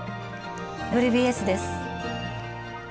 「ＷＢＳ」です。